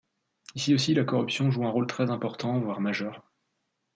Ici aussi, la corruption joue un rôle très important, voire majeur.